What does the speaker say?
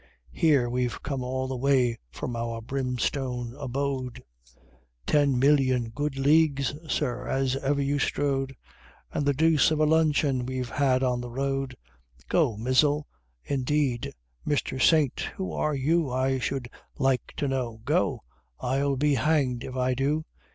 Here we've come all that way from our brimstone abode, Ten million good leagues, sir, as ever you strode, And the deuce of a luncheon we've had on the road 'Go!' 'Mizzle!' indeed Mr. Saint, who are you, I should like to know? 'Go!' I'll be hanged if I do!